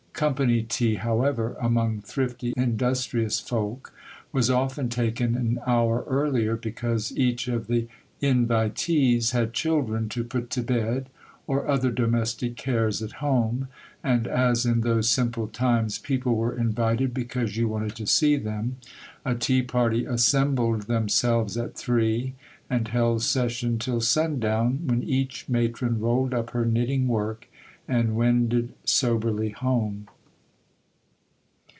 'Company tea,' however, among thrifty, industrious folk, was often taken an hour earlier, because each of the inviteés had children to put to bed, or other domestic cares at home, and as in those simple times people were invited because you wanted to see them, a tea party assembled themselves at three and held session till sundown, when each matron rolled up her knitting work and wended soberly home.